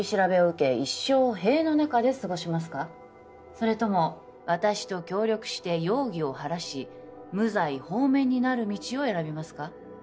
それとも私と協力して容疑を晴らし無罪放免になる道を選びますか？